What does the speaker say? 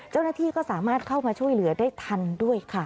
เจ้าหน้าที่ก็สามารถเข้ามาช่วยเหลือได้ทันด้วยค่ะ